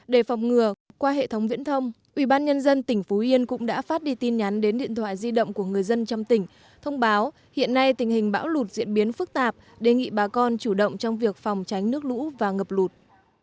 để phòng ngừa qua hệ thống viễn thông ubnd tỉnh phú yên cũng đã phát đi tin nhắn đến điện thoại di động của người dân trong tỉnh thông báo hiện nay tình hình bão lụt diễn biến phức tạp đề nghị bà con chủ động trong việc phòng tránh nước lũ và ngập lụt